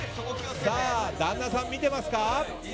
旦那さん、見てますか。